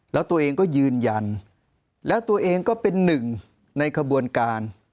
แล้วตัวเองก็ยืนยันแล้วตัวเองก็เป็นหนึ่งในขบวนการ